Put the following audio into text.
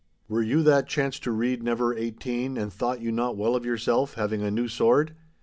Were you that chance to read never eighteen and thought you not well of yourself, having a new sword?